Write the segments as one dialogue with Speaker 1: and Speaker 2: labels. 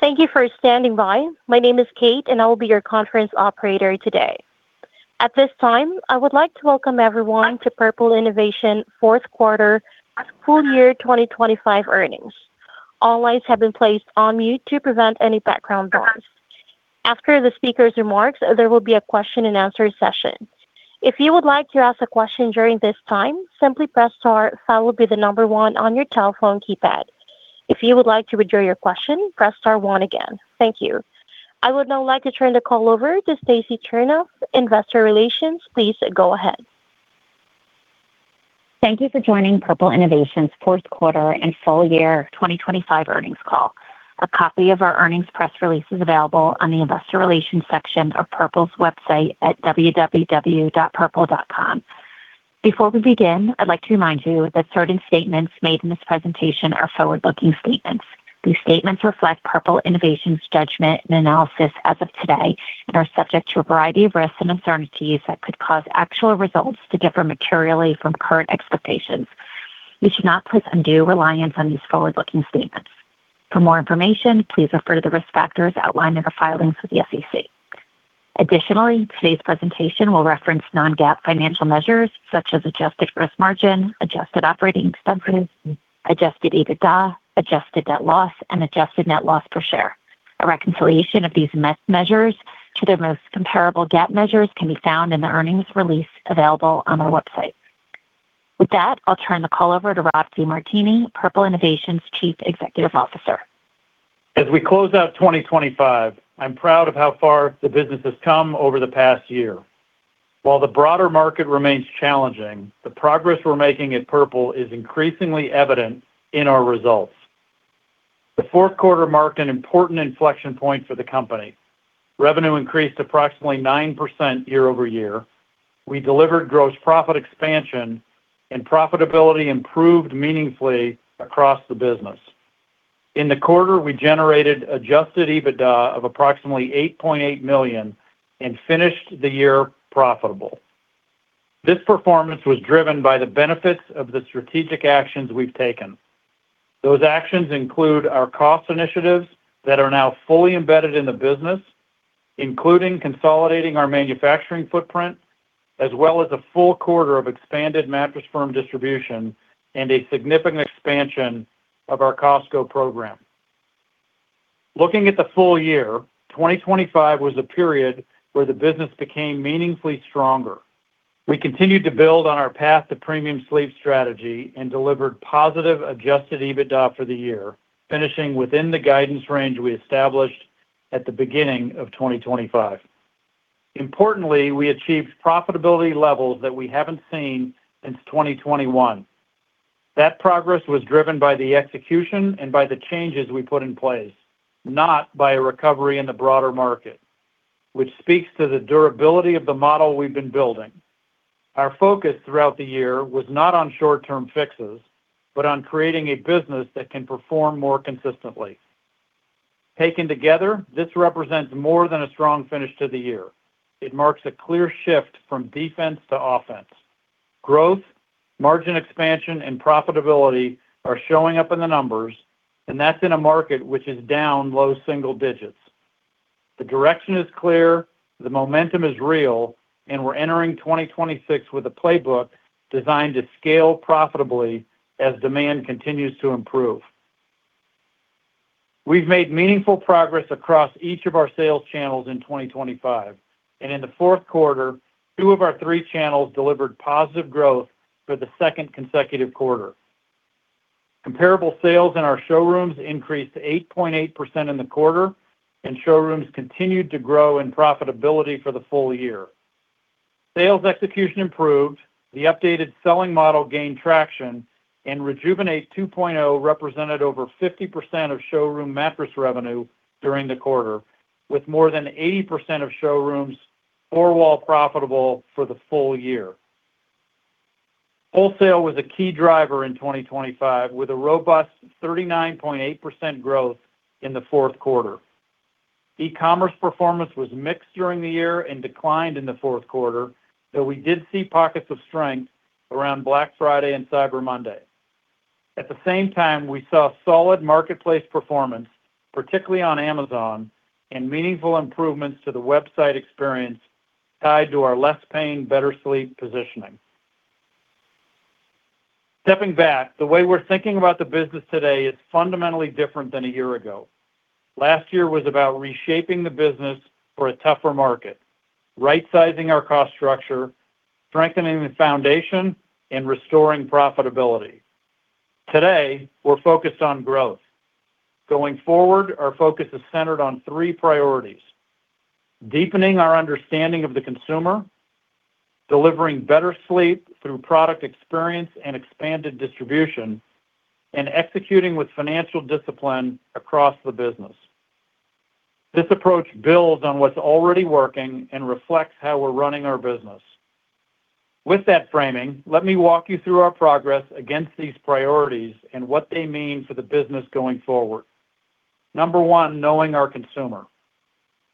Speaker 1: Thank you for standing by. My name is Kate, and I will be your conference operator today. At this time, I would like to welcome everyone to Purple Innovation fourth quarter full year 2025 earnings. All lines have been placed on mute to prevent any background noise. After the speaker's remarks, there will be a question and answer session. If you would like to ask a question during this time, simply press star followed by the number one on your telephone keypad. If you would like to withdraw your question, press star one again. Thank you. I would now like to turn the call over to Stacy Turnof, Investor Relations. Please go ahead.
Speaker 2: Thank you for joining Purple Innovation's fourth quarter and full year 2025 earnings call. A copy of our earnings press release is available on the investor relations section of Purple's website at www.purple.com. Before we begin, I'd like to remind you that certain statements made in this presentation are forward-looking statements. These statements reflect Purple Innovation's judgment and analysis as of today and are subject to a variety of risks and uncertainties that could cause actual results to differ materially from current expectations. You should not place undue reliance on these forward-looking statements. For more information, please refer to the risk factors outlined in our filings with the SEC. Additionally, today's presentation will reference non-GAAP financial measures such as adjusted gross margin, adjusted operating expenses, adjusted EBITDA, adjusted net loss, and adjusted net loss per share. A reconciliation of these measures to their most comparable GAAP measures can be found in the earnings release available on our website. With that, I'll turn the call over to Rob DeMartini, Purple Innovation's Chief Executive Officer.
Speaker 3: As we close out 2025, I'm proud of how far the business has come over the past year. While the broader market remains challenging, the progress we're making at Purple is increasingly evident in our results. The fourth quarter marked an important inflection point for the company. Revenue increased approximately 9% year-over-year. We delivered gross profit expansion and profitability improved meaningfully across the business. In the quarter, we generated adjusted EBITDA of approximately $8.8 million and finished the year profitable. This performance was driven by the benefits of the strategic actions we've taken. Those actions include our cost initiatives that are now fully embedded in the business, including consolidating our manufacturing footprint, as well as a full quarter of expanded Mattress Firm distribution and a significant expansion of our Costco program. Looking at the full year, 2025 was a period where the business became meaningfully stronger. We continued to build on our path to premium sleep strategy and delivered positive adjusted EBITDA for the year, finishing within the guidance range we established at the beginning of 2025. Importantly, we achieved profitability levels that we haven't seen since 2021. That progress was driven by the execution and by the changes we put in place, not by a recovery in the broader market, which speaks to the durability of the model we've been building. Our focus throughout the year was not on short-term fixes, but on creating a business that can perform more consistently. Taken together, this represents more than a strong finish to the year. It marks a clear shift from defense to offense. Growth, margin expansion, and profitability are showing up in the numbers, and that's in a market which is down low single digits. The direction is clear, the momentum is real, and we're entering 2026 with a playbook designed to scale profitably as demand continues to improve. We've made meaningful progress across each of our sales channels in 2025, and in the fourth quarter, two of our three channels delivered positive growth for the second consecutive quarter. Comparable sales in our showrooms increased 8.8% in the quarter, and showrooms continued to grow in profitability for the full year. Sales execution improved, the updated selling model gained traction, and Rejuvenate 2.0 represented over 50% of showroom mattress revenue during the quarter, with more than 80% of showrooms four-wall profitable for the full year. Wholesale was a key driver in 2025, with a robust 39.8% growth in the fourth quarter. E-commerce performance was mixed during the year and declined in the fourth quarter, though we did see pockets of strength around Black Friday and Cyber Monday. At the same time, we saw solid marketplace performance, particularly on Amazon, and meaningful improvements to the website experience tied to our less pain, better sleep positioning. Stepping back, the way we're thinking about the business today is fundamentally different than a year ago. Last year was about reshaping the business for a tougher market, right-sizing our cost structure, strengthening the foundation, and restoring profitability. Today, we're focused on growth. Going forward, our focus is centered on three priorities, deepening our understanding of the consumer, delivering better sleep through product experience and expanded distribution, and executing with financial discipline across the business. This approach builds on what's already working and reflects how we're running our business. With that framing, let me walk you through our progress against these priorities and what they mean for the business going forward. Number one, knowing our consumer.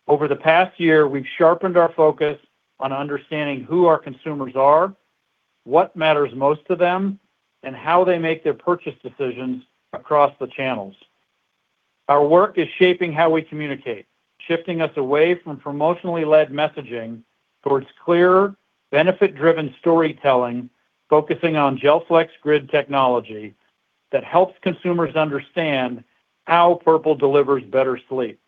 Speaker 3: Over the past year, we've sharpened our focus on understanding who our consumers are, what matters most to them, and how they make their purchase decisions across the channels. Our work is shaping how we communicate, shifting us away from promotionally led messaging towards clear benefit-driven storytelling, focusing on GelFlex Grid technology that helps consumers understand how Purple delivers better sleep.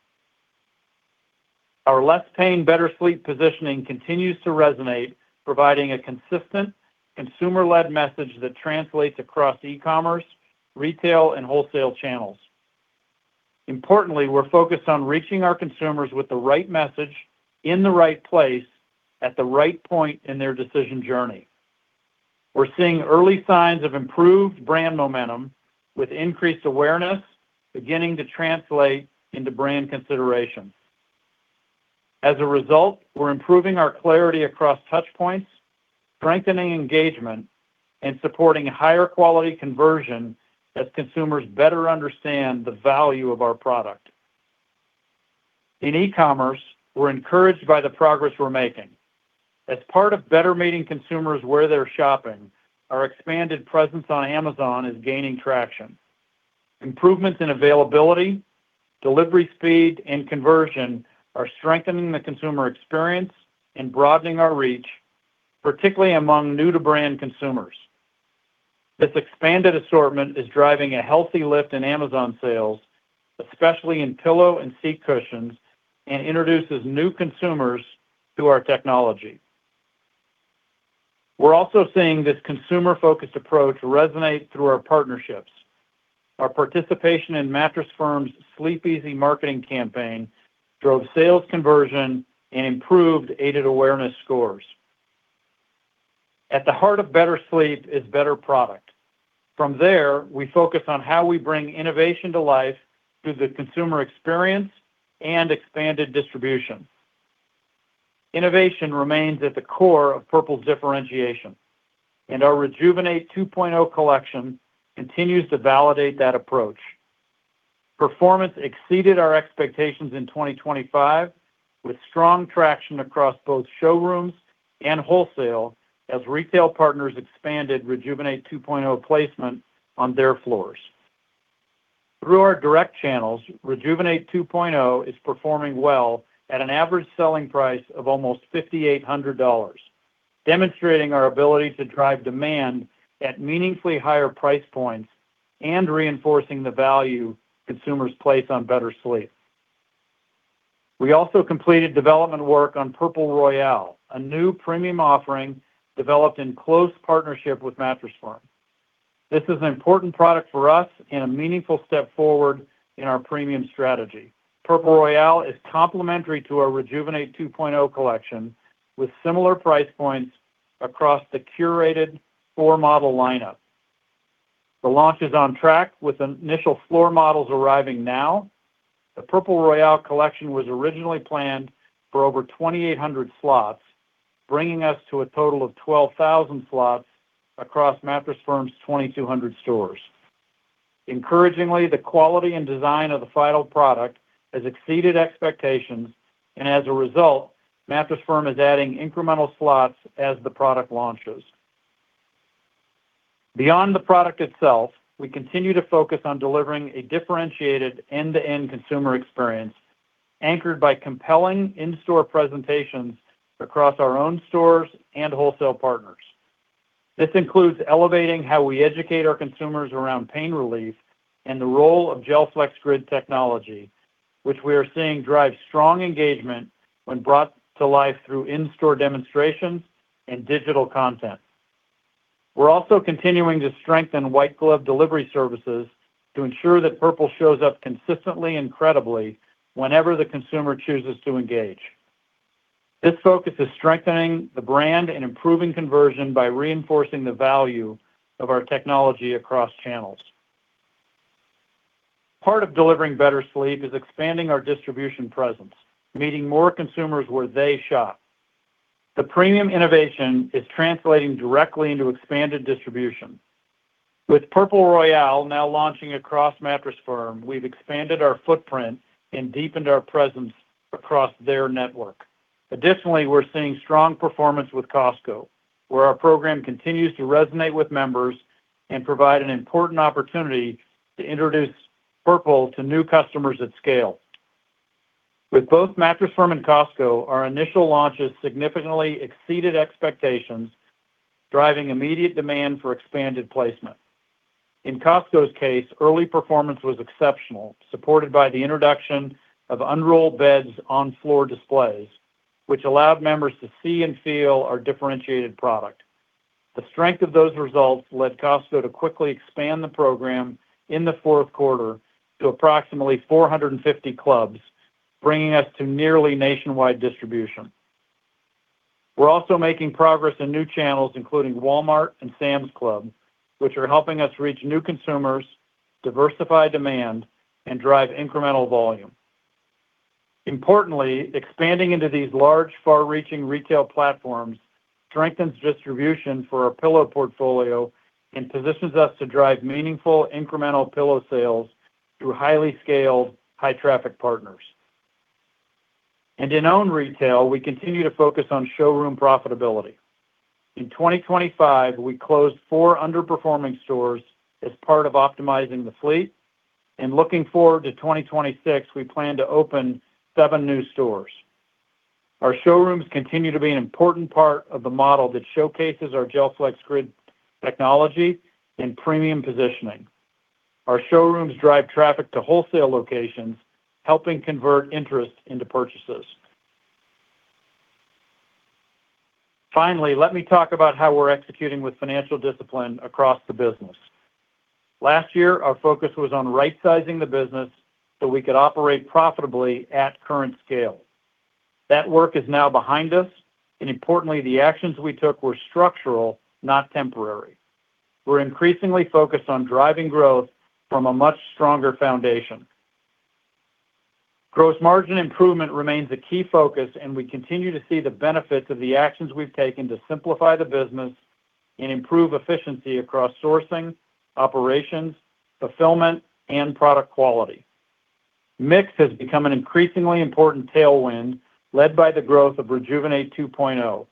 Speaker 3: Our less pain, better sleep positioning continues to resonate, providing a consistent consumer-led message that translates across e-commerce, retail, and wholesale channels. Importantly, we're focused on reaching our consumers with the right message in the right place at the right point in their decision journey. We're seeing early signs of improved brand momentum with increased awareness beginning to translate into brand consideration. As a result, we're improving our clarity across touch points, strengthening engagement, and supporting higher quality conversion as consumers better understand the value of our product. In e-commerce, we're encouraged by the progress we're making. As part of better meeting consumers where they're shopping, our expanded presence on Amazon is gaining traction. Improvements in availability, delivery speed, and conversion are strengthening the consumer experience and broadening our reach, particularly among new-to-brand consumers. This expanded assortment is driving a healthy lift in Amazon sales, especially in pillow and seat cushions, and introduces new consumers to our technology. We're also seeing this consumer-focused approach resonate through our partnerships. Our participation in Mattress Firm's Sleep Easy marketing campaign drove sales conversion and improved aided awareness scores. At the heart of better sleep is better product. From there, we focus on how we bring innovation to life through the consumer experience and expanded distribution. Innovation remains at the core of Purple's differentiation, and our Rejuvenate 2.0 collection continues to validate that approach. Performance exceeded our expectations in 2025, with strong traction across both showrooms and wholesale as retail partners expanded Rejuvenate 2.0 placement on their floors. Through our direct channels, Rejuvenate 2.0 is performing well at an average selling price of almost $5,800, demonstrating our ability to drive demand at meaningfully higher price points and reinforcing the value consumers place on better sleep. We also completed development work on Purple Royale, a new premium offering developed in close partnership with Mattress Firm. This is an important product for us and a meaningful step forward in our premium strategy. Purple Royale is complementary to our Rejuvenate 2.0 collection, with similar price points across the curated four-model lineup. The launch is on track, with initial floor models arriving now. The Purple Royale collection was originally planned for over 2,800 slots, bringing us to a total of 12,000 slots across Mattress Firm's 2,200 stores. Encouragingly, the quality and design of the final product has exceeded expectations, and as a result, Mattress Firm is adding incremental slots as the product launches. Beyond the product itself, we continue to focus on delivering a differentiated end-to-end consumer experience anchored by compelling in-store presentations across our own stores and wholesale partners. This includes elevating how we educate our consumers around pain relief and the role of GelFlex Grid technology, which we are seeing drive strong engagement when brought to life through in-store demonstrations and digital content. We're also continuing to strengthen white glove delivery services to ensure that Purple shows up consistently and incredibly whenever the consumer chooses to engage. This focus is strengthening the brand and improving conversion by reinforcing the value of our technology across channels. Part of delivering better sleep is expanding our distribution presence, meeting more consumers where they shop. The premium innovation is translating directly into expanded distribution. With Purple Royale now launching across Mattress Firm, we've expanded our footprint and deepened our presence across their network. Additionally, we're seeing strong performance with Costco, where our program continues to resonate with members and provide an important opportunity to introduce Purple to new customers at scale. With both Mattress Firm and Costco, our initial launches significantly exceeded expectations, driving immediate demand for expanded placement. In Costco's case, early performance was exceptional, supported by the introduction of unrolled beds on floor displays, which allowed members to see and feel our differentiated product. The strength of those results led Costco to quickly expand the program in the fourth quarter to approximately 450 clubs, bringing us to nearly nationwide distribution. We're also making progress in new channels, including Walmart and Sam's Club, which are helping us reach new consumers, diversify demand, and drive incremental volume. Importantly, expanding into these large, far-reaching retail platforms strengthens distribution for our pillow portfolio and positions us to drive meaningful incremental pillow sales through highly scaled, high traffic partners. In owned retail, we continue to focus on showroom profitability. In 2025, we closed four underperforming stores as part of optimizing the fleet. Looking forward to 2026, we plan to open seven new stores. Our showrooms continue to be an important part of the model that showcases our GelFlex Grid technology and premium positioning. Our showrooms drive traffic to wholesale locations, helping convert interest into purchases. Finally, let me talk about how we're executing with financial discipline across the business. Last year, our focus was on right-sizing the business so we could operate profitably at current scale. That work is now behind us, and importantly, the actions we took were structural, not temporary. We're increasingly focused on driving growth from a much stronger foundation. Gross margin improvement remains a key focus, and we continue to see the benefits of the actions we've taken to simplify the business and improve efficiency across sourcing, operations, fulfillment, and product quality. Mix has become an increasingly important tailwind, led by the growth of Rejuvenate 2.0.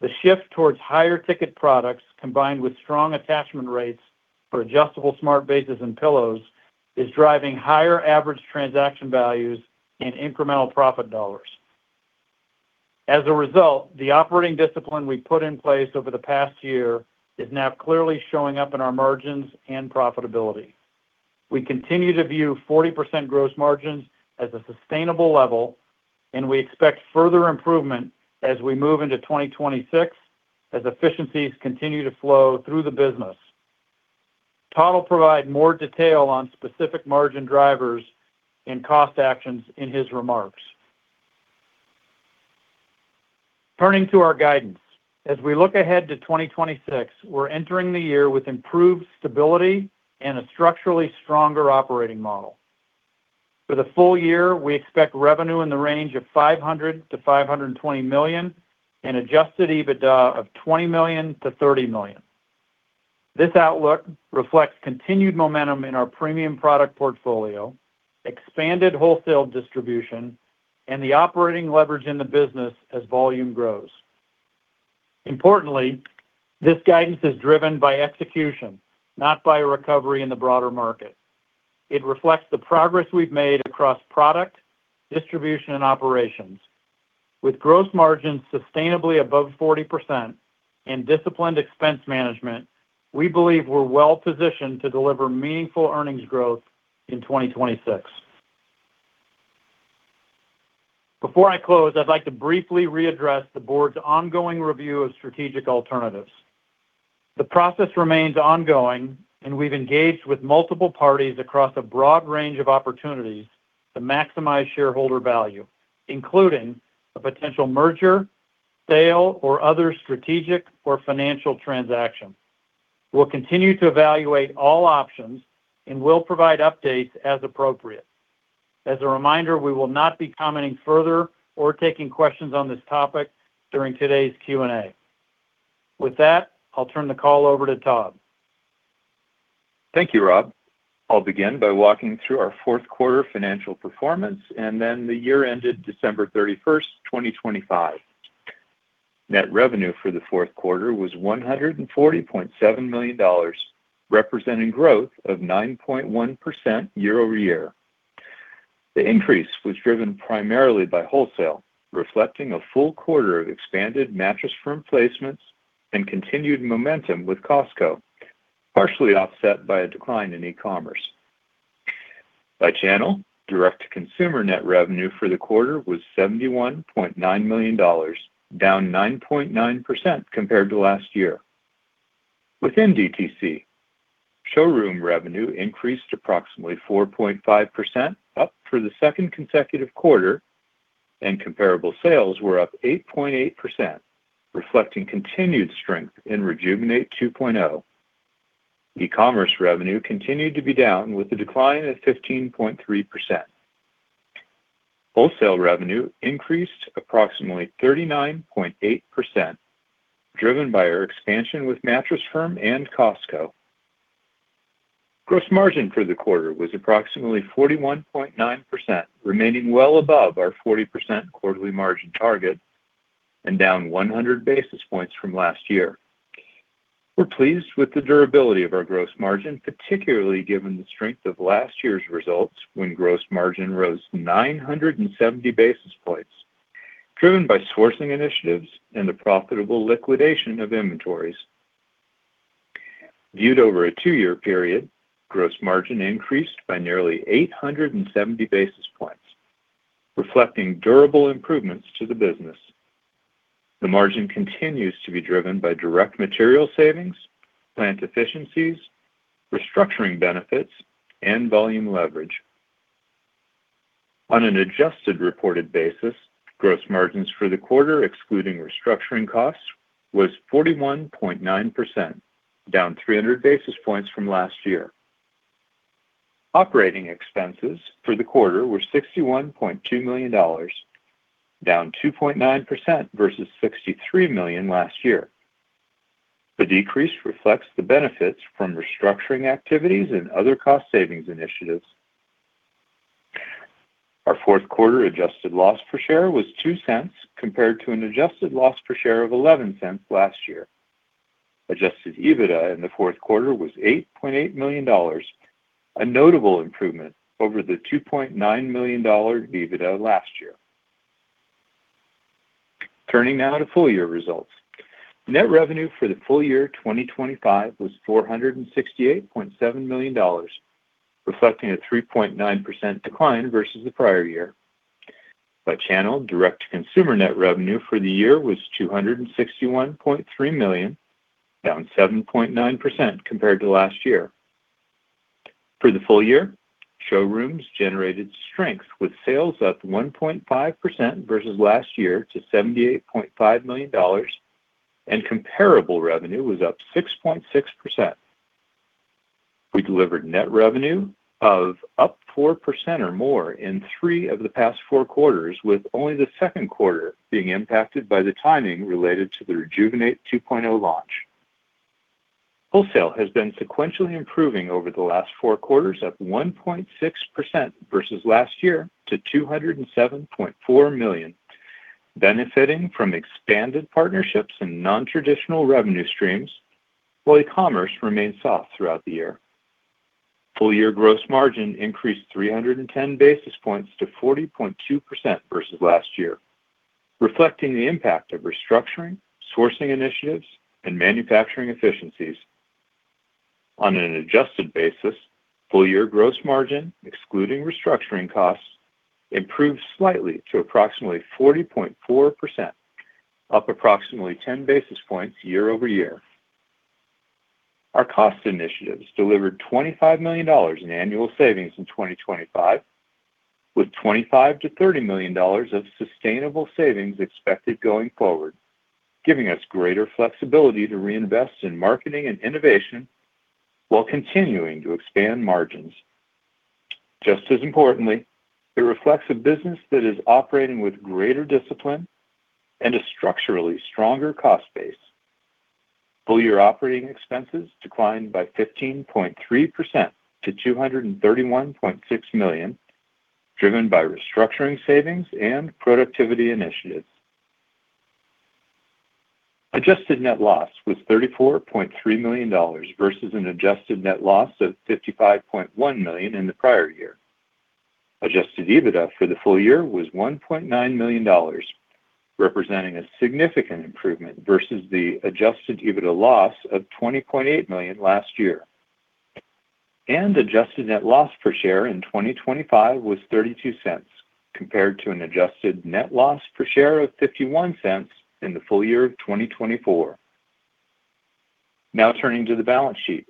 Speaker 3: The shift towards higher ticket products, combined with strong attachment rates for adjustable smart bases and pillows, is driving higher average transaction values and incremental profit dollars. As a result, the operating discipline we put in place over the past year is now clearly showing up in our margins and profitability. We continue to view 40% gross margins as a sustainable level, and we expect further improvement as we move into 2026 as efficiencies continue to flow through the business. Todd will provide more detail on specific margin drivers and cost actions in his remarks. Turning to our guidance. As we look ahead to 2026, we're entering the year with improved stability and a structurally stronger operating model. For the full year, we expect revenue in the range of $500 million-$520 million and adjusted EBITDA of $20 million-$30 million. This outlook reflects continued momentum in our premium product portfolio, expanded wholesale distribution, and the operating leverage in the business as volume grows. Importantly, this guidance is driven by execution, not by a recovery in the broader market. It reflects the progress we've made across product, distribution, and operations. With gross margins sustainably above 40% and disciplined expense management, we believe we're well-positioned to deliver meaningful earnings growth in 2026. Before I close, I'd like to briefly readdress the board's ongoing review of strategic alternatives. The process remains ongoing, and we've engaged with multiple parties across a broad range of opportunities to maximize shareholder value, including a potential merger, sale, or other strategic or financial transaction. We'll continue to evaluate all options and will provide updates as appropriate. As a reminder, we will not be commenting further or taking questions on this topic during today's Q&A. With that, I'll turn the call over to Todd.
Speaker 4: Thank you, Rob. I'll begin by walking through our fourth quarter financial performance and then the year ended December 31st, 2025. Net revenue for the fourth quarter was $140.7 million, representing growth of 9.1% year-over-year. The increase was driven primarily by wholesale, reflecting a full quarter of expanded Mattress Firm placements and continued momentum with Costco, partially offset by a decline in e-commerce. By channel, direct-to-consumer net revenue for the quarter was $71.9 million, down 9.9% compared to last year. Within DTC, showroom revenue increased approximately 4.5% up for the second consecutive quarter, and comparable sales were up 8.8%, reflecting continued strength in Rejuvenate 2.0. E-commerce revenue continued to be down, with the decline at 15.3%. Wholesale revenue increased approximately 39.8%, driven by our expansion with Mattress Firm and Costco. Gross margin for the quarter was approximately 41.9%, remaining well above our 40% quarterly margin target and down 100 basis points from last year. We're pleased with the durability of our gross margin, particularly given the strength of last year's results when gross margin rose 970 basis points, driven by sourcing initiatives and the profitable liquidation of inventories. Viewed over a two-year period, gross margin increased by nearly 870 basis points, reflecting durable improvements to the business. The margin continues to be driven by direct material savings, plant efficiencies, restructuring benefits, and volume leverage. On an adjusted reported basis, gross margins for the quarter, excluding restructuring costs, was 41.9%, down 300 basis points from last year. Operating expenses for the quarter were $61.2 million, down 2.9% versus $63 million last year. The decrease reflects the benefits from restructuring activities and other cost savings initiatives. Our fourth quarter adjusted loss per share was $0.02 compared to an adjusted loss per share of $0.11 last year. Adjusted EBITDA in the fourth quarter was $8.8 million, a notable improvement over the $2.9 million EBITDA last year. Turning now to full year results. Net revenue for the full year 2025 was $468.7 million, reflecting a 3.9% decline versus the prior year. By channel, direct-to-consumer net revenue for the year was $261.3 million, down 7.9% compared to last year. For the full year, showrooms generated strength with sales up 1.5% versus last year to $78.5 million, and comparable revenue was up 6.6%. We delivered net revenue of up 4% or more in three of the past four quarters, with only the second quarter being impacted by the timing related to the Rejuvenate 2.0 launch. Wholesale has been sequentially improving over the last four quarters at 1.6% versus last year to $207.4 million, benefiting from expanded partnerships and non-traditional revenue streams, while e-commerce remained soft throughout the year. Full-year gross margin increased 310 basis points to 40.2% versus last year, reflecting the impact of restructuring, sourcing initiatives, and manufacturing efficiencies. On an adjusted basis, full-year gross margin, excluding restructuring costs, improved slightly to approximately 40.4%, up approximately 10 basis points year-over-year. Our cost initiatives delivered $25 million in annual savings in 2025, with $25 million-$30 million of sustainable savings expected going forward, giving us greater flexibility to reinvest in marketing and innovation while continuing to expand margins. Just as importantly, it reflects a business that is operating with greater discipline and a structurally stronger cost base. Full-year operating expenses declined by 15.3% to $231.6 million, driven by restructuring savings and productivity initiatives. Adjusted net loss was $34.3 million versus an adjusted net loss of $55.1 million in the prior year. Adjusted EBITDA for the full year was $1.9 million, representing a significant improvement versus the adjusted EBITDA loss of $20.8 million last year. Adjusted net loss per share in 2025 was $0.32 compared to an adjusted net loss per share of $0.51 in the full year of 2024. Now turning to the balance sheet.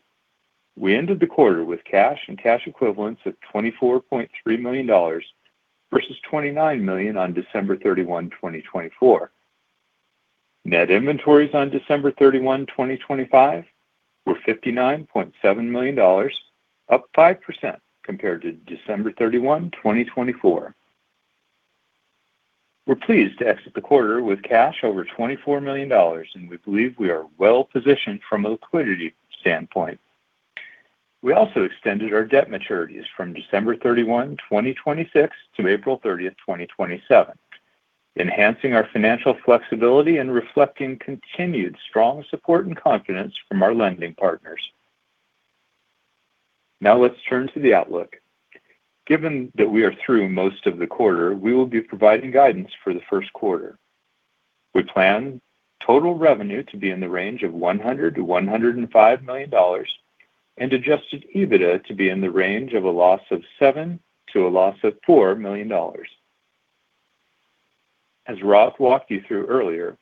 Speaker 4: We ended the quarter with cash and cash equivalents of $24.3 million versus $29 million on December 31, 2024. Net inventories on December 31, 2025 were $59.7 million, up 5% compared to December 31, 2024. We're pleased to exit the quarter with cash over $24 million, and we believe we are well-positioned from a liquidity standpoint. We also extended our debt maturities from December 31, 2026 to April 30, 2027, enhancing our financial flexibility and reflecting continued strong support and confidence from our lending partners. Now let's turn to the outlook. Given that we are through most of the quarter, we will be providing guidance for the first quarter. We plan total revenue to be in the range of $100 million-$105 million and adjusted EBITDA to be in the range of a loss of $7 million to a loss of $4 million. As Rob walked you through earlier,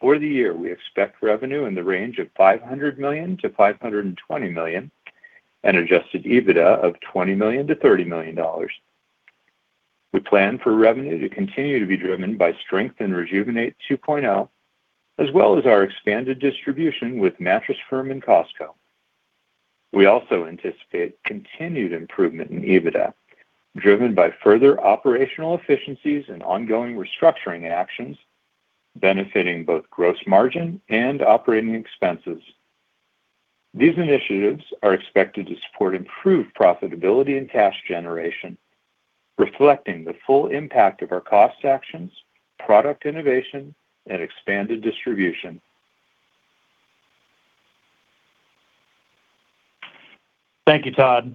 Speaker 4: for the year, we expect revenue in the range of $500 million-$520 million and adjusted EBITDA of $20 million-$30 million. We plan for revenue to continue to be driven by strength in Rejuvenate 2.0, as well as our expanded distribution with Mattress Firm and Costco. We also anticipate continued improvement in EBITDA, driven by further operational efficiencies and ongoing restructuring actions benefiting both gross margin and operating expenses. These initiatives are expected to support improved profitability and cash generation, reflecting the full impact of our cost actions, product innovation, and expanded distribution.
Speaker 3: Thank you, Todd.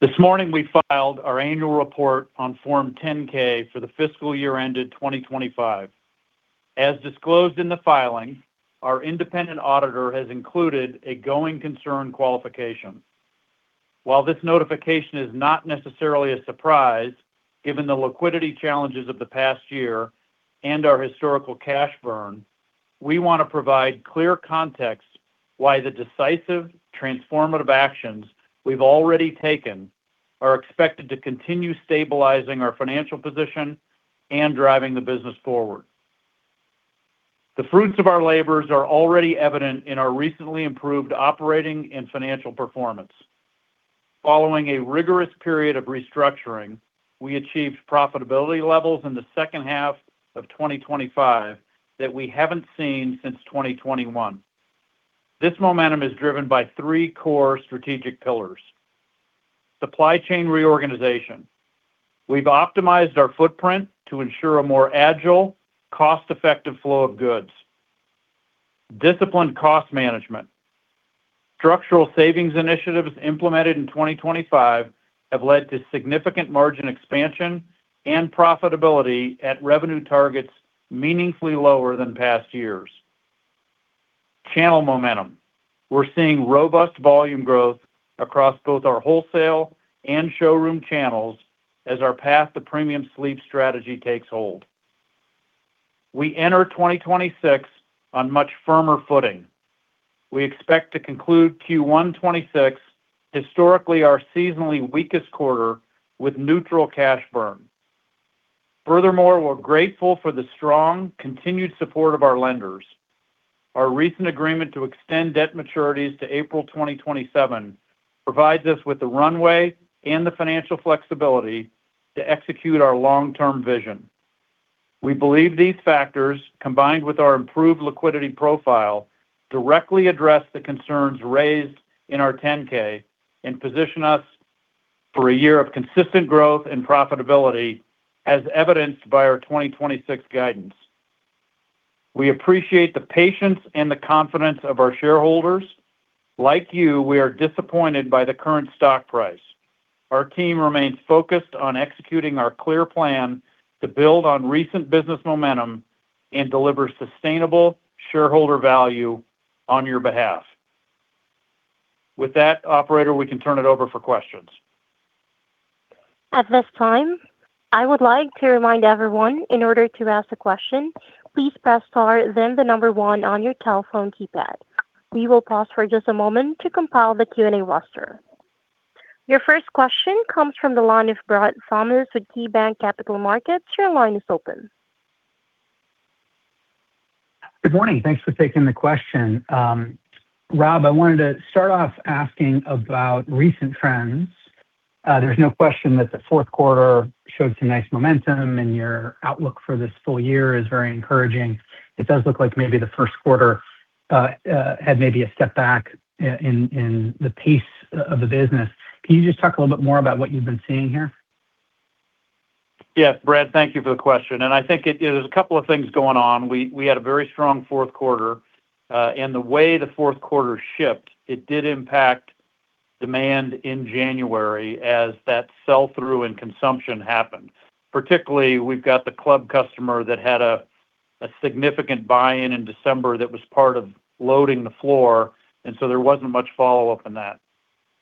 Speaker 3: This morning, we filed our annual report on Form 10-K for the fiscal year ended 2025. As disclosed in the filing, our independent auditor has included a going concern qualification. While this notification is not necessarily a surprise, given the liquidity challenges of the past year and our historical cash burn, we want to provide clear context why the decisive transformative actions we've already taken are expected to continue stabilizing our financial position and driving the business forward. The fruits of our labors are already evident in our recently improved operating and financial performance. Following a rigorous period of restructuring, we achieved profitability levels in the second half of 2025 that we haven't seen since 2021. This momentum is driven by three core strategic pillars. Supply chain reorganization. We've optimized our footprint to ensure a more agile, cost-effective flow of goods. Disciplined cost management. Structural savings initiatives implemented in 2025 have led to significant margin expansion and profitability at revenue targets meaningfully lower than past years. Channel momentum. We're seeing robust volume growth across both our wholesale and showroom channels as our path to premium sleep strategy takes hold. We enter 2026 on much firmer footing. We expect to conclude Q1 2026, historically our seasonally weakest quarter, with neutral cash burn. Furthermore, we're grateful for the strong, continued support of our lenders. Our recent agreement to extend debt maturities to April 2027 provides us with the runway and the financial flexibility to execute our long-term vision. We believe these factors, combined with our improved liquidity profile, directly address the concerns raised in our 10-K and position us for a year of consistent growth and profitability, as evidenced by our 2026 guidance. We appreciate the patience and the confidence of our shareholders. Like you, we are disappointed by the current stock price. Our team remains focused on executing our clear plan to build on recent business momentum and deliver sustainable shareholder value on your behalf. With that, operator, we can turn it over for questions.
Speaker 1: At this time, I would like to remind everyone, in order to ask a question, please press star then the number one on your telephone keypad. We will pause for just a moment to compile the Q&A roster. Your first question comes from the line of Brad Thomas with KeyBanc Capital Markets. Your line is open.
Speaker 5: Good morning. Thanks for taking the question. Rob, I wanted to start off asking about recent trends. There's no question that the fourth quarter showed some nice momentum, and your outlook for this full year is very encouraging. It does look like maybe the first quarter had maybe a step back in the pace of the business. Can you just talk a little bit more about what you've been seeing here?
Speaker 3: Yes, Brad, thank you for the question, and I think there's a couple of things going on. We had a very strong fourth quarter, and the way the fourth quarter shipped, it did impact demand in January as that sell-through and consumption happened. Particularly, we've got the club customer that had a significant buy-in in December that was part of loading the floor, and so there wasn't much follow-up in that.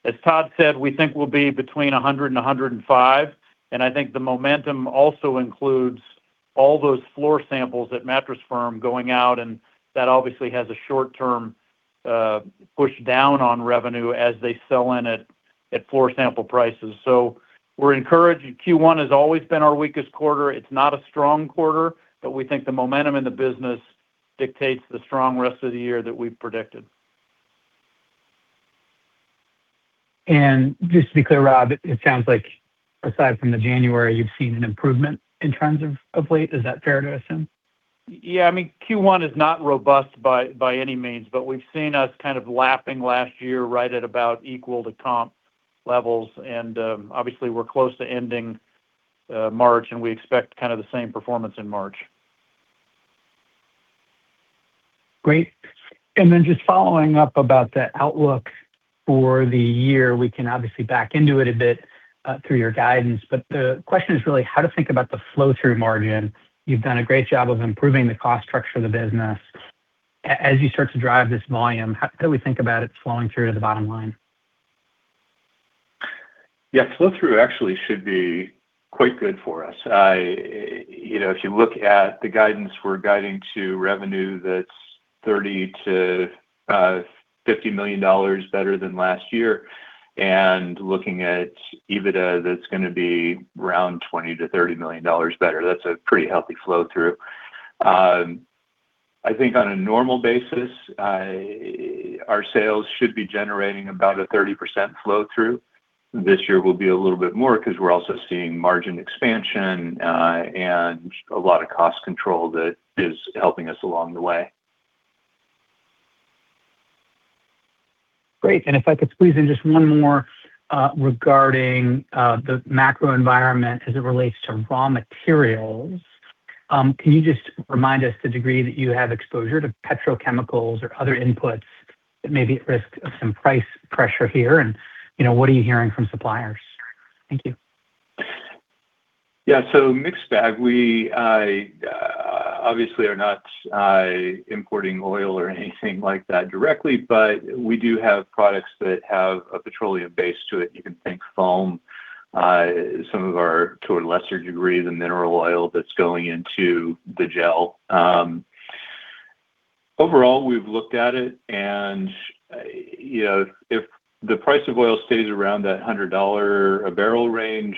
Speaker 3: As Todd said, we think we'll be between $100 million and $105 million, and I think the momentum also includes all those floor samples at Mattress Firm going out, and that obviously has a short-term push down on revenue as they sell in at floor sample prices. So we're encouraged. Q1 has always been our weakest quarter. It's not a strong quarter, but we think the momentum in the business dictates the strong rest of the year that we've predicted.
Speaker 5: Just to be clear, Rob, it sounds like aside from the January, you've seen an improvement in trends of late. Is that fair to assume?
Speaker 3: Yeah, I mean, Q1 is not robust by any means, but we've seen us kind of lapping last year right at about equal to comp levels. Obviously, we're close to ending March, and we expect kind of the same performance in March.
Speaker 5: Great. Just following up about the outlook for the year, we can obviously back into it a bit through your guidance, but the question is really how to think about the flow-through margin. You've done a great job of improving the cost structure of the business. As you start to drive this volume, how do we think about it flowing through to the bottom line?
Speaker 4: Yeah. Flow-through actually should be quite good for us. You know, if you look at the guidance, we're guiding to revenue that's $30 million-$50 million better than last year and looking at EBITDA that's gonna be around $20 million-$30 million better. That's a pretty healthy flow-through. I think on a normal basis, our sales should be generating about a 30% flow-through. This year will be a little bit more because we're also seeing margin expansion and a lot of cost control that is helping us along the way.
Speaker 5: Great. If I could squeeze in just one more, regarding the macro environment as it relates to raw materials. Can you just remind us the degree that you have exposure to petrochemicals or other inputs that may be at risk of some price pressure here? You know, what are you hearing from suppliers? Thank you.
Speaker 4: Yeah. Mixed bag. We obviously are not importing oil or anything like that directly, but we do have products that have a petroleum base to it. You can think foam, some of our, to a lesser degree, the mineral oil that's going into the gel. Overall, we've looked at it, and you know, if the price of oil stays around that $100 a barrel range,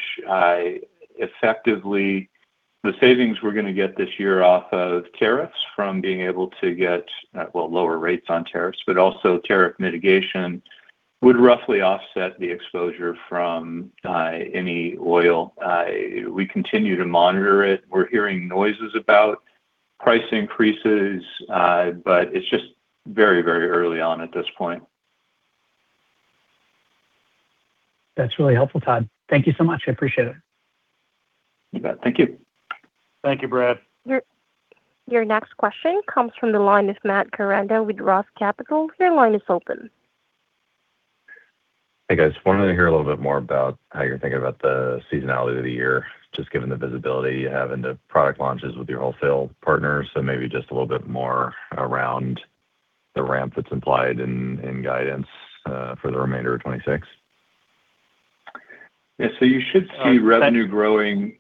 Speaker 4: the savings we're gonna get this year off of tariffs from being able to get, well, lower rates on tariffs, but also tariff mitigation would roughly offset the exposure from any oil. We continue to monitor it. We're hearing noises about price increases, but it's just very, very early on at this point.
Speaker 5: That's really helpful, Todd. Thank you so much. I appreciate it.
Speaker 4: You bet. Thank you.
Speaker 3: Thank you, Brad.
Speaker 1: Your next question comes from the line of Matt Koranda with ROTH Capital. Your line is open.
Speaker 6: Hey, guys. I wanted to hear a little bit more about how you're thinking about the seasonality of the year, just given the visibility you have in the product launches with your wholesale partners. Maybe just a little bit more around the ramp that's implied in guidance for the remainder of 2026.
Speaker 4: Yeah. You should see revenue growing.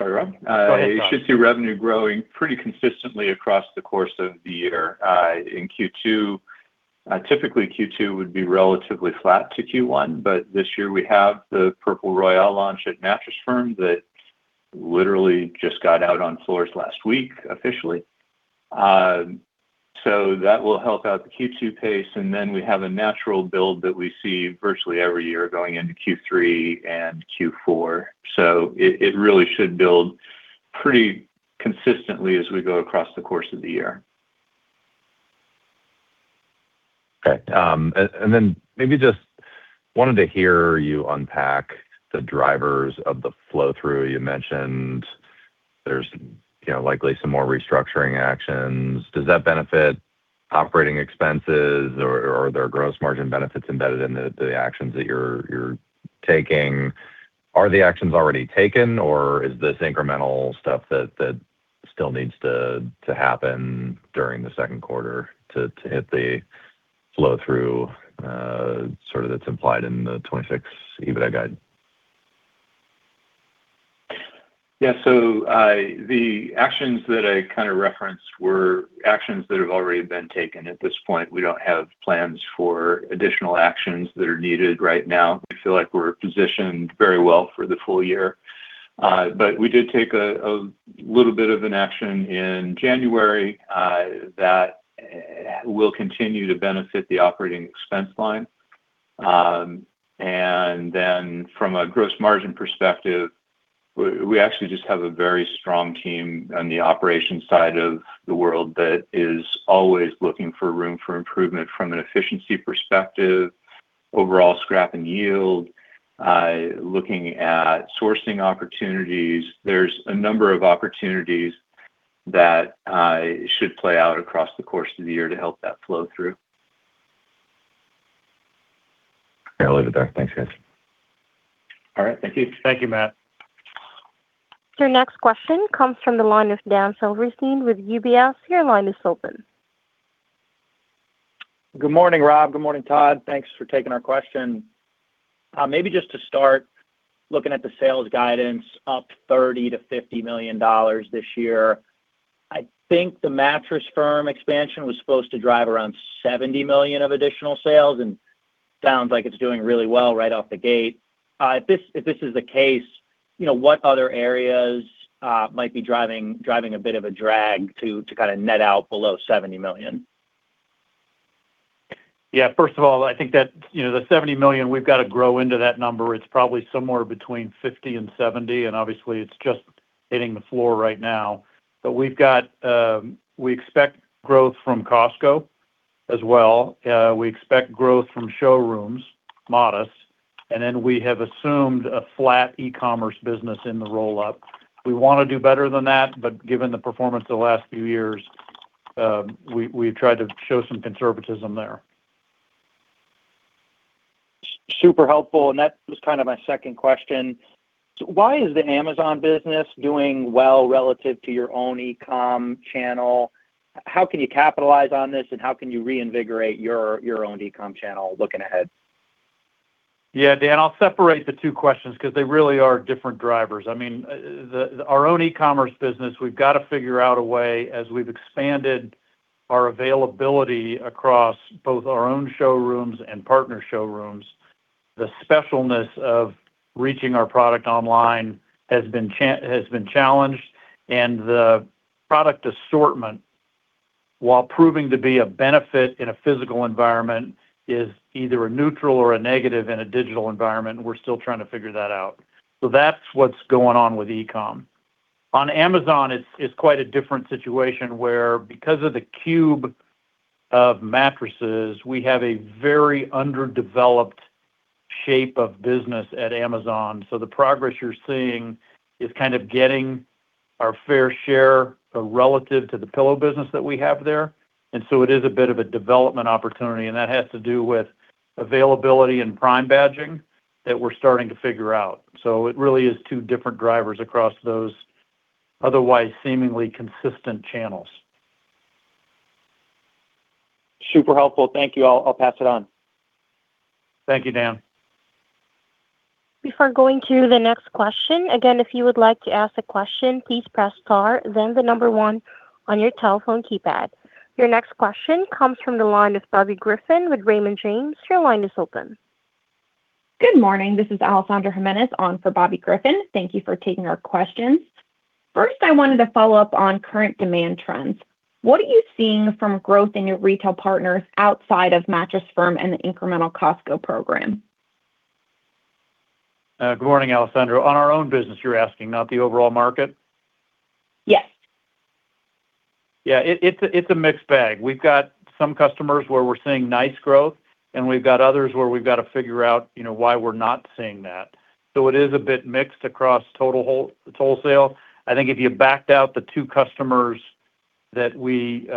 Speaker 3: Matt
Speaker 4: Oh, sorry, Rob.
Speaker 3: No, no.
Speaker 4: You should see revenue growing pretty consistently across the course of the year. In Q2, typically Q2 would be relatively flat to Q1, but this year we have the Purple Royale launch at Mattress Firm that literally just got out on floors last week officially. That will help out the Q2 pace, and then we have a natural build that we see virtually every year going into Q3 and Q4. It really should build pretty consistently as we go across the course of the year.
Speaker 6: Okay. Maybe just wanted to hear you unpack the drivers of the flow-through. You mentioned there's, you know, likely some more restructuring actions. Does that benefit operating expenses or are there gross margin benefits embedded in the actions that you're taking? Are the actions already taken, or is this incremental stuff that still needs to happen during the second quarter to hit the flow-through, sort of that's implied in the 2026 EBITDA guide?
Speaker 4: Yeah. The actions that I kind of referenced were actions that have already been taken. At this point, we don't have plans for additional actions that are needed right now. I feel like we're positioned very well for the full year. We did take a little bit of an action in January that will continue to benefit the operating expense line. From a gross margin perspective, we actually just have a very strong team on the operations side of the world that is always looking for room for improvement from an efficiency perspective, overall scrap and yield, looking at sourcing opportunities. There's a number of opportunities that should play out across the course of the year to help that flow-through.
Speaker 6: Yeah. I'll leave it there. Thanks, guys.
Speaker 4: All right. Thank you.
Speaker 3: Thank you, Matt.
Speaker 1: Your next question comes from the line of Dan Silverstein with UBS. Your line is open.
Speaker 7: Good morning, Rob. Good morning, Todd. Thanks for taking our question. Maybe just to start looking at the sales guidance up $30 million-$50 million this year, I think the Mattress Firm expansion was supposed to drive around $70 million of additional sales and sounds like it's doing really well right off the gate. If this is the case, you know, what other areas might be driving a bit of a drag to kind of net out below $70 million?
Speaker 3: Yeah. First of all, I think that, you know, the $70 million, we've got to grow into that number. It's probably somewhere between $50 million and $70 million, and obviously it's just hitting the floor right now. We've got. We expect growth from Costco as well. We expect growth from showrooms, modest, and then we have assumed a flat e-commerce business in the roll-up. We wanna do better than that, but given the performance the last few years, we've tried to show some conservatism there.
Speaker 7: Super helpful, and that was kind of my second question. Why is the Amazon business doing well relative to your own e-com channel? How can you capitalize on this, and how can you reinvigorate your own e-com channel looking ahead?
Speaker 3: Yeah. Dan, I'll separate the two questions 'cause they really are different drivers. I mean, our own e-commerce business, we've got to figure out a way, as we've expanded our availability across both our own showrooms and partner showrooms, the specialness of reaching our product online has been challenged. The product assortment, while proving to be a benefit in a physical environment, is either a neutral or a negative in a digital environment, and we're still trying to figure that out. That's what's going on with e-com. On Amazon, it's quite a different situation where because of the cube of mattresses, we have a very underdeveloped shape of business at Amazon. The progress you're seeing is kind of getting our fair share relative to the pillow business that we have there. It is a bit of a development opportunity, and that has to do with availability and Prime badging that we're starting to figure out. It really is two different drivers across those otherwise seemingly consistent channels.
Speaker 7: Super helpful. Thank you. I'll pass it on.
Speaker 3: Thank you, Dan.
Speaker 1: Before going to the next question, again, if you would like to ask a question, please press star, then the number one on your telephone keypad. Your next question comes from the line of Bobby Griffin with Raymond James. Your line is open.
Speaker 8: Good morning. This is Alessandra Jimenez on for Bobby Griffin. Thank you for taking our questions. First, I wanted to follow up on current demand trends. What are you seeing from growth in your retail partners outside of Mattress Firm and the incremental Costco program?
Speaker 3: Good morning, Alessandra. On our own business, you're asking, not the overall market?
Speaker 8: Yes.
Speaker 3: Yeah. It's a mixed bag. We've got some customers where we're seeing nice growth, and we've got others where we've got to figure out, you know, why we're not seeing that. It is a bit mixed across total wholesale. I think if you backed out the two customers that we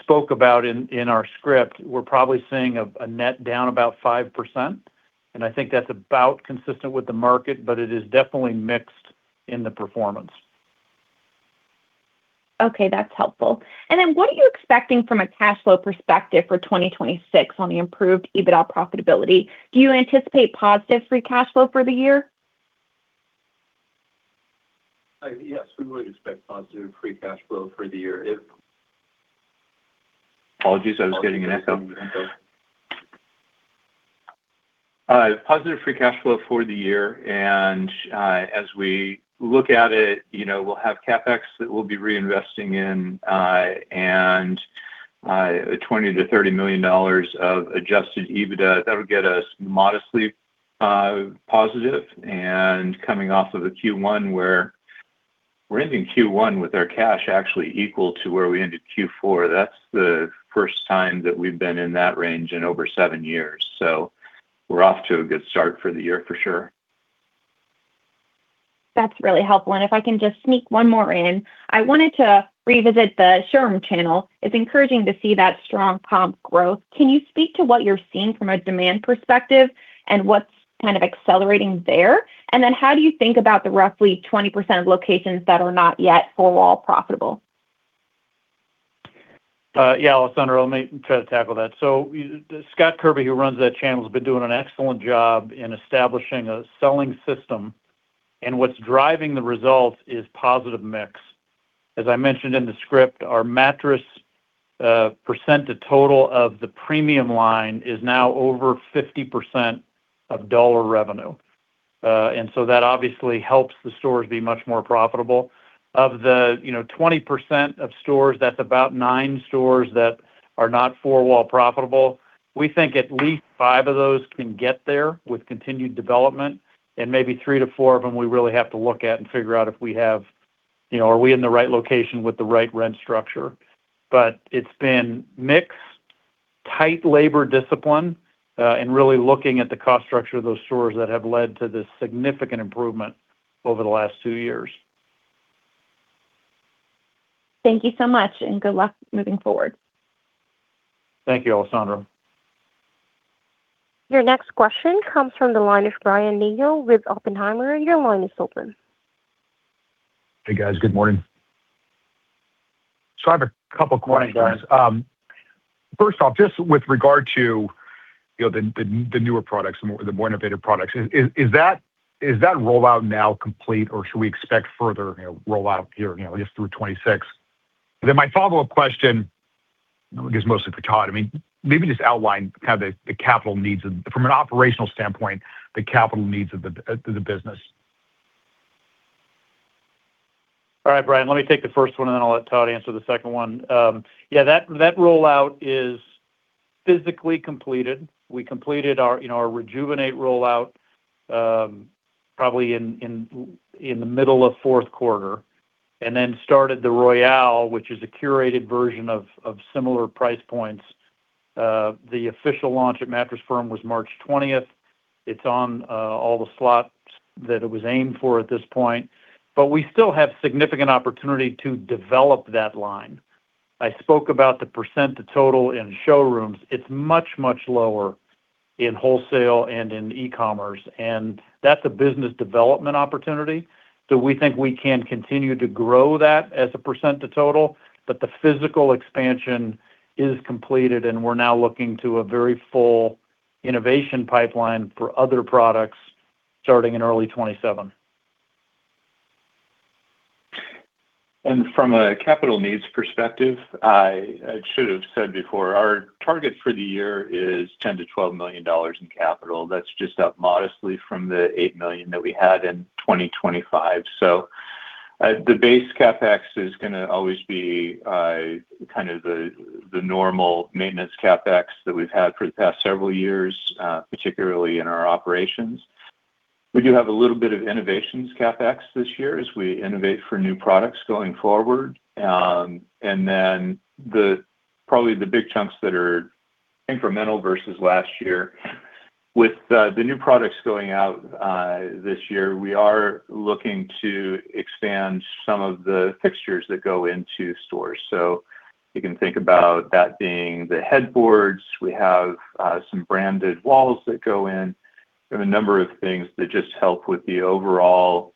Speaker 3: spoke about in our script, we're probably seeing a net down about 5%, and I think that's about consistent with the market, but it is definitely mixed in the performance.
Speaker 8: Okay, that's helpful. What are you expecting from a cash flow perspective for 2026 on the improved EBITDA profitability? Do you anticipate positive free cash flow for the year?
Speaker 4: Yes, we would expect positive free cash flow for the year. Apologies, I was getting an echo. Positive free cash flow for the year, and as we look at it, you know, we'll have CapEx that we'll be reinvesting in, and $20 million-$30 million of adjusted EBITDA. That'll get us modestly positive and coming off of the Q1 where we're ending Q1 with our cash actually equal to where we ended Q4. That's the first time that we've been in that range in over seven years. We're off to a good start for the year for sure.
Speaker 8: That's really helpful. If I can just sneak one more in. I wanted to revisit the showroom channel. It's encouraging to see that strong comp growth. Can you speak to what you're seeing from a demand perspective and what's kind of accelerating there? How do you think about the roughly 20% of locations that are not yet four-wall profitable?
Speaker 3: Yeah, Alessandra, let me try to tackle that. Scott Kerby, who runs that channel, has been doing an excellent job in establishing a selling system, and what's driving the results is positive mix. As I mentioned in the script, our mattress percent of total of the premium line is now over 50% of dollar revenue. That obviously helps the stores be much more profitable. Of the, you know, 20% of stores, that's about nine stores that are not four-wall profitable, we think at least five of those can get there with continued development and maybe three to four of them, we really have to look at and figure out if we have, you know, are we in the right location with the right rent structure. It's been mix, tight labor discipline, and really looking at the cost structure of those stores that have led to this significant improvement over the last two years.
Speaker 8: Thank you so much, and good luck moving forward.
Speaker 3: Thank you, Alessandra.
Speaker 1: Your next question comes from the line of Brian Nagel with Oppenheimer. Your line is open.
Speaker 9: Hey, guys. Good morning. I have a couple questions.
Speaker 3: Good morning, Brian.
Speaker 9: First off, just with regard to, you know, the newer products, the more innovative products, is that rollout now complete or should we expect further, you know, rollout here, you know, just through 2026? My follow-up question, I guess mostly for Todd, I mean, maybe just outline kind of the capital needs of the business from an operational standpoint.
Speaker 3: All right, Brian, let me take the first one, and then I'll let Todd answer the second one. Yeah, that rollout is physically completed. We completed our, you know, our Rejuvenate rollout probably in the middle of fourth quarter and then started the Royale, which is a curated version of similar price points. The official launch at Mattress Firm was March 20th. It's on all the slots that it was aimed for at this point. We still have significant opportunity to develop that line. I spoke about the percent to total in showrooms. It's much lower in wholesale and in e-commerce, and that's a business development opportunity that we think we can continue to grow that as a percent to total. The physical expansion is completed, and we're now looking to a very full innovation pipeline for other products starting in early 2027.
Speaker 4: From a capital needs perspective, I should have said before, our target for the year is $10 million-$12 million in capital. That's just up modestly from the $8 million that we had in 2025. The base CapEx is gonna always be the normal maintenance CapEx that we've had for the past several years, particularly in our operations. We do have a little bit of innovations CapEx this year as we innovate for new products going forward. And then probably the big chunks that are incremental versus last year with the new products going out this year, we are looking to expand some of the fixtures that go into stores. You can think about that being the headboards. We have some branded walls that go in. We have a number of things that just help with the overall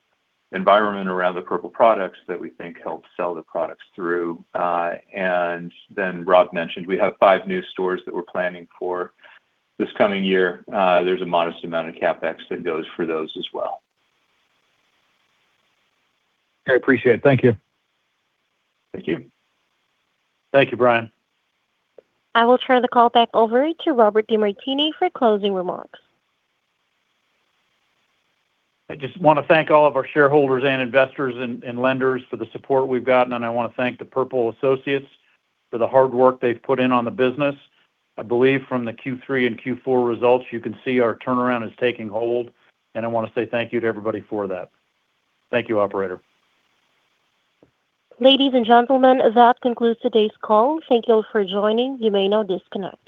Speaker 4: environment around the Purple products that we think help sell the products through. Rob mentioned we have five new stores that we're planning for this coming year. There's a modest amount of CapEx that goes for those as well.
Speaker 9: I appreciate it. Thank you.
Speaker 4: Thank you.
Speaker 3: Thank you, Brian.
Speaker 1: I will turn the call back over to Robert DeMartini for closing remarks.
Speaker 3: I just wanna thank all of our shareholders and investors and lenders for the support we've gotten, and I wanna thank the Purple associates for the hard work they've put in on the business. I believe from the Q3 and Q4 results, you can see our turnaround is taking hold, and I wanna say thank you to everybody for that. Thank you, operator.
Speaker 1: Ladies and gentlemen, that concludes today's call. Thank you for joining. You may now disconnect.